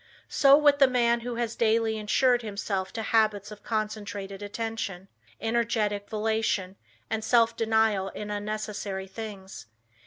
So with the man who has daily insured himself to habits of concentrated attention, energetic volation, and self denial in unnecessary things.